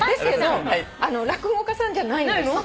落語家さんじゃないんです。